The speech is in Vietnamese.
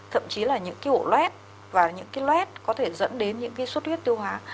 thậm chí là những cái ổ lét và những cái lét có thể dẫn đến những cái suất huyết tiêu hóa